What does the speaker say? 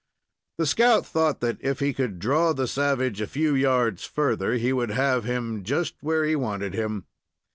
The scout thought that if he could draw the savage a few yards further he would have him just where he wanted him.